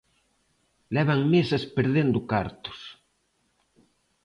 Levan meses perdendo cartos.